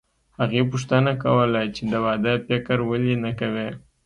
هغې پوښتنه کوله چې د واده فکر ولې نه کوې